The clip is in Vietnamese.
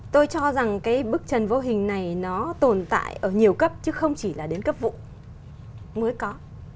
tôi cho rằng cái bức trần vô hình này nó tồn tại ở nhiều cấp chứ không chỉ là đến cấp vụ mới có